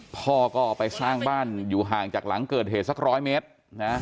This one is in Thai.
พ่อก็ไปสร้างบ้านอยู่ห่างจากหลังเกิดเหตุสักร้อยเมตรนะ